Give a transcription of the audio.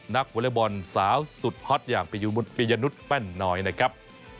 นักวอลเลอร์บอลสาวสุดฮอตอย่างปริยนุษย์แป้นหน่อยนะครับ